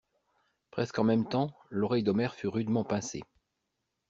Presque en même temps, l'oreille d'Omer fut rudement pincée.